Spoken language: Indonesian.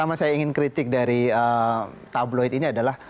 pertama saya ingin kritik dari tabloid ini adalah